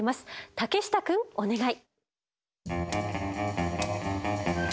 竹下くんお願い。